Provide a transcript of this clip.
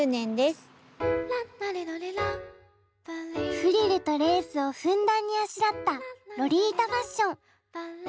フリルとレースをふんだんにあしらったロリータファッション。